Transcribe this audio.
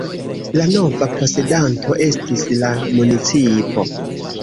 La nova posedanto estis la municipo.